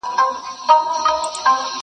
پرې ویده تېرېږي بله پېړۍ ورو ورو!!